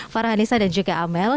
farhan nisa dan juga amel